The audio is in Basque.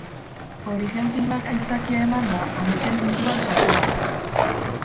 Origen filmak aitzakia emanda, ametsen munduan sartu gara.